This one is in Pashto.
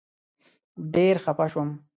ډېر خپه شوم.